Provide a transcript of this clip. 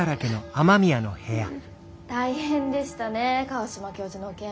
大変でしたね川島教授の件。